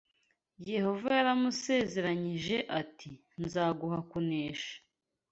Yehova yaramusezeranyije ati nzaguha kunesha